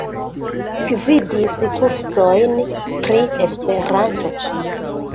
Gvidis kursojn pri Esperanto.